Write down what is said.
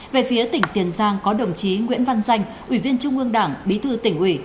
về phía tỉnh tiền giang có đồng chí nguyễn văn danh ủy viên trung ương đảng bí thư tỉnh ủy